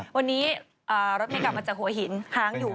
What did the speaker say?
วันนี้รถเมย์กลับมาจากหัวหินค้างอยู่